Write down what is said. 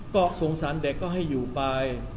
ก็สงสารเด็กก็ให้อยู่ไป